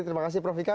terima kasih prof ikan